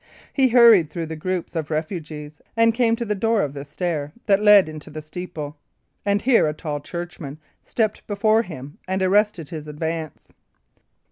He hurried through the groups of refugees, and came to the door of the stair that led into the steeple. And here a tall churchman stepped before him and arrested his advance.